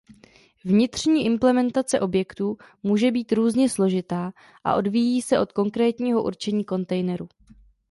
Vnitřní implementace objektů může být různě složitá a odvíjí se od konkrétního určení kontejneru.